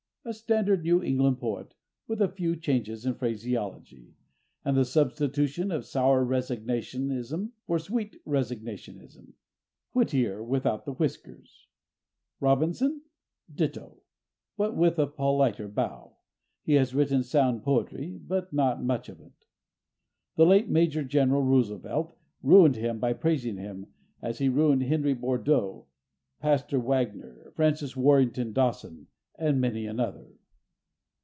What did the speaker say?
A standard New England poet, with a few changes in phraseology, and the substitution of sour resignationism for sweet resignationism. Whittier without the whiskers. Robinson? Ditto, but with a politer bow. He has written sound poetry, but not much of it. The late Major General Roosevelt ruined him by praising him, as he ruined Henry Bordeaux, Pastor Wagner, Francis Warrington Dawson and many another.